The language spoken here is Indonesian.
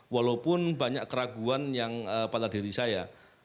walaupun banyak keraguan yang pada diri saya